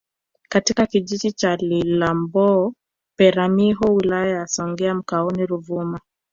katika kijiji cha Lilambo Peramiho wilaya ya songea mkoani Ruvuma